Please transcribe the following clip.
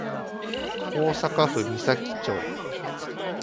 大阪府岬町